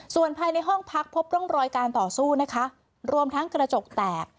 ส่วนภายในห้องพักพบร่องรอยการต่อสู้นะคะรวมทั้งกระจกแตก